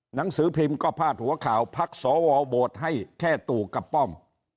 หนังสือพิมพ์ก็พาดหัวข่าวพักสวโหวตให้แค่ตู่กับป้อม